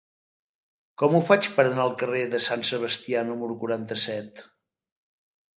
Com ho faig per anar al carrer de Sant Sebastià número quaranta-set?